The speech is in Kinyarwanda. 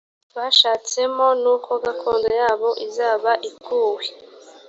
bashatsemo nuko gakondo yabo izaba ikuwe